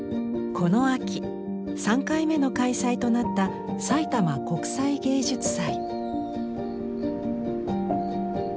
この秋３回目の開催となったさいたま国際芸術祭。